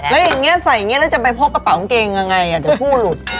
แล้วอย่างนี้ใส่อย่างนี้แล้วจะไปพบกระเป๋ากางเกงยังไงเดี๋ยวผู้หลุด